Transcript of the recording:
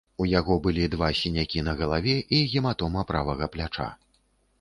У яго былі два сінякі на галаве і гематома правага пляча.